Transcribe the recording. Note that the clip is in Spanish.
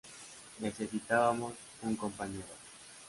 Necesitábamos... un compañero.